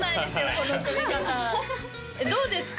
この組み方どうですか？